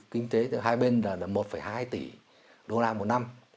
kinh tế giữa hai bên là một hai tỷ đô la một năm